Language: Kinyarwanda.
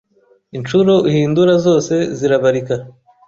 Inshuro uhindura zose zirabarika